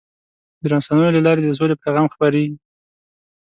د رسنیو له لارې د سولې پیغام خپرېږي.